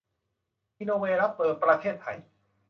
อีโนเว รับเบอร์ ประเทศไทย